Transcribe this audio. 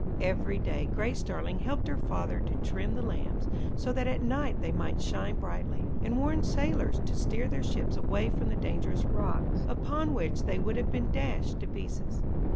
Every day Grace Darling helped her father to trim the lamps, so that at night they might shine brightly, and warn sailors to steer their ships away from the dangerous rocks, upon which they would have been dashed to pieces.